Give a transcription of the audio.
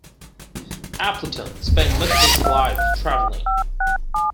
Appleton spent much of his life traveling.